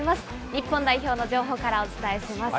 日本代表の情報からお伝えします。